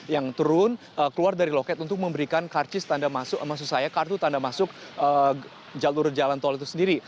yang turun keluar dari loket untuk memberikan karcis maksud saya kartu tanda masuk jalur jalan tol itu sendiri